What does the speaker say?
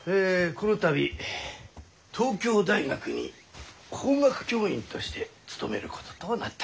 この度東京大学に法学教員として勤めることとなった。